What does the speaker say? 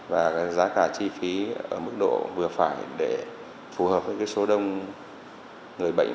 và giá cả chi phí ở mức độ vừa phải để phù hợp với số đông người bệnh